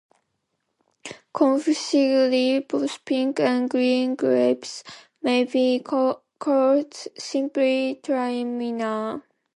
Confusingly, both pink and green grapes may be called simply Traminer.